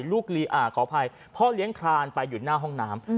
ขออภัยพ่อเลี้ยงคลานไปอยู่หน้าห้องน้ำ